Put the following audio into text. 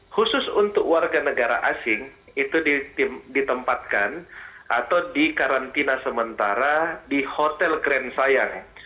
khusus untuk warga negara asing itu ditempatkan atau dikarantina sementara di hotel kren sayang